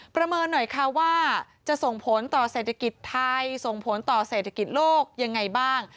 ประเมินหน่อยค่ะว่าจะส่งผลต่อเศรษฐกิจไทยส่งผลต่อเศรษฐกิจโลกยังไงบ้าง